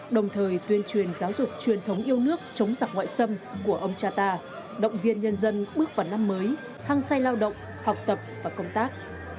đồng thời tuyên truyền giáo dục truyền thống yêu nước chống giặc ngoại xâm của ông cha ta động viên nhân dân bước vào năm mới hăng say lao động học tập và công tác